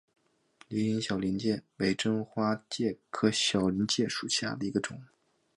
菱形小林介为真花介科小林介属下的一个种。